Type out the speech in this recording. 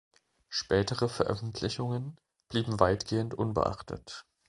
Spätere Veröffentlichungen blieben weitgehend unbeachtet.